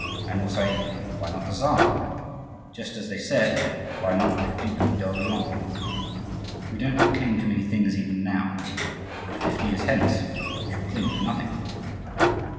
Men will say, "Why not the Czar?" just as they said, "Why not the Duc d'Orleans?" We don't cling to many things even now; but fifty years hence we shall cling to nothing.